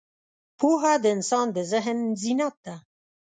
پوهه د انسان د ذهن زینت ده.